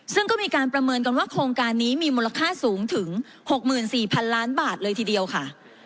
ซึ่งก็มีการประเมินกันว่าโครงการนี้มีมูลค่าสูงถึง๖๔๐๐๐ล้านบาทเลยทีเดียวค่ะ